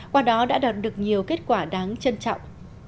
qua đó đã đạt được nhiều kết quả đáng trân trọng